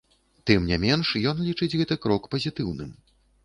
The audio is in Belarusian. Тым не менш, ён лічыць гэты крок пазітыўным.